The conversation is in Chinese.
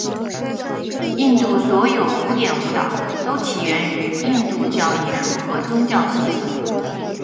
印度所有古典舞蹈都起源于印度教艺术和宗教习俗。